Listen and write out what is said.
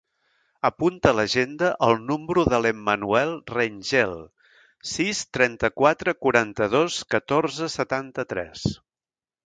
Apunta a l'agenda el número de l'Emanuel Rengel: sis, trenta-quatre, quaranta-dos, catorze, setanta-tres.